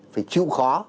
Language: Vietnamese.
phải chịu khó